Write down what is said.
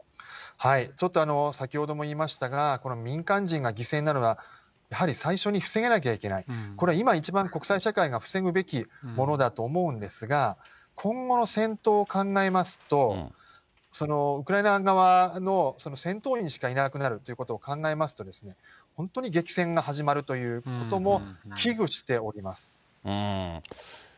ちょっと、先ほども言いましたが、この民間人が犠牲になるのは、やはり最初に防がなきゃいけない、これは、今、一番国際社会が防ぐべきものだと思うんですが、今後の戦闘を考えますと、ウクライナ側の戦闘員しかいなくなるということを考えますとですね、本当に激戦が始まるということも危惧しております。